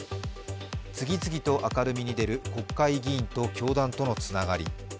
次々と明るみに出る国会議員と教団とのつながり。